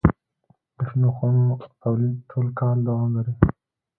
د شنو خونو تولید ټول کال دوام لري.